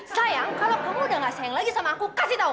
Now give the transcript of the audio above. sayang kalau kamu udah gak sayang lagi sama aku kasih tau